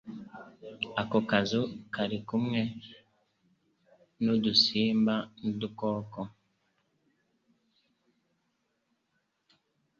Ako kazu karikumwe nudusimba nudukoko.